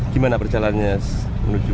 gimana perjalanannya menuju